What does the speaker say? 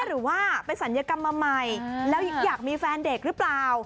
หรือว่าไปศัลยกรรมมาใหม่แล้วอยากมีแฟนเด็กหรือเปล่า